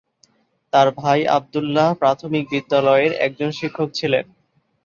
তার ভাই আব্দুল্লাহ প্রাথমিক বিদ্যালয়ের একজন শিক্ষক ছিলেন।